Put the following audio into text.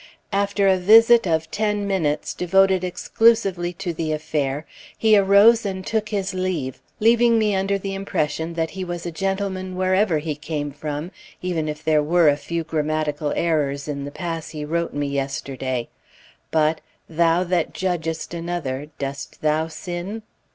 After a visit of ten minutes, devoted exclusively to the affair, he arose and took his leave, leaving me under the impression that he was a gentleman wherever he came from, even if there were a few grammatical errors in the pass he wrote me yesterday; but "thou that judgest another, dost thou sin?"